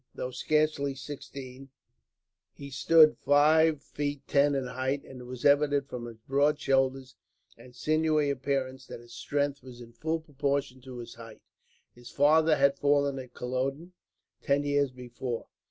Though scarcely sixteen, he stood five feet ten in height; and it was evident, from his broad shoulders and sinewy appearance, that his strength was in full proportion to his height. His father had fallen at Culloden, ten years before.